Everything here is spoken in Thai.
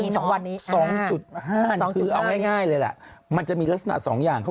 ช่วงนี้เนอะสองจุดห้านคือเอาง่ายเลยล่ะมันจะมีลักษณะสองอย่าง